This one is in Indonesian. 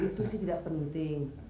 itu sih tidak penting